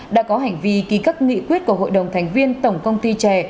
đã có hành vi ký các nghị quyết của hội đồng thành viên tổng công ty trẻ